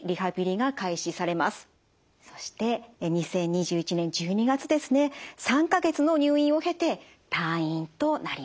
そして２０２１年１２月ですね３か月の入院を経て退院となりました。